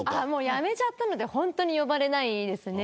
やめちゃったので本当に呼ばれないです。